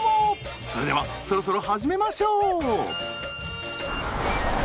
それではそろそろ始めましょう。